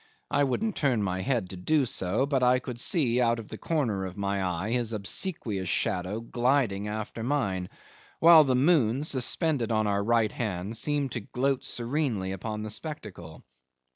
I wouldn't turn my head to do so; but I could see out of the corner of my eye his obsequious shadow gliding after mine, while the moon, suspended on our right hand, seemed to gloat serenely upon the spectacle.